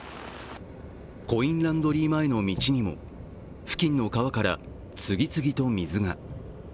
コインランドリー前の道にも付近の川から次々と水が。